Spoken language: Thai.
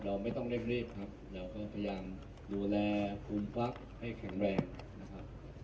เราไม่ต้องเร่งรีบครับเราก็พยายามดูแลภูมิฟักให้แข็งแรงนะครับ